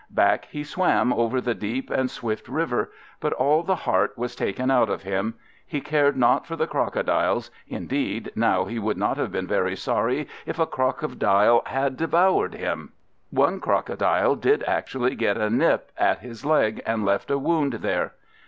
Back he swam over the deep and swift river, but all the heart was taken out of him; he cared not for the crocodiles, indeed now he would not have been very sorry if a crocodile had devoured him. One crocodile did actually get a nip at his leg, and left a wound there.